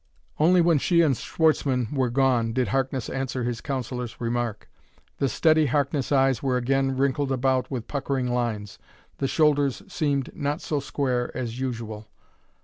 Only when she and Schwartzmann were gone did Harkness answer his counsellor's remark. The steady Harkness eyes were again wrinkled about with puckering lines; the shoulders seemed not so square as usual.